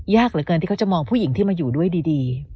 ยากเหลือเกินที่เขาจะมองผู้หญิงที่มาอยู่ด้วยดี